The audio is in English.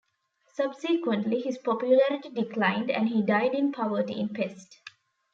Subsequently, his popularity declined, and he died in poverty in Pest.